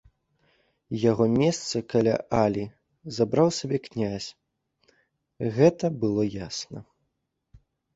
Яго месца каля Алі забраў сабе князь — гэта было ясна.